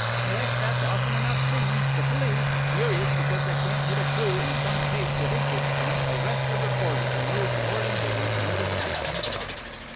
Yes, that's often enough seen. The police, furious because they can't hit a clue in some case that interests them, arrest a reporter who knows more than they do, in order to make him talk.